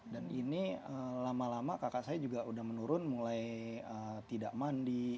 dan ini lama lama kakak saya juga sudah menurun mulai tidak mandi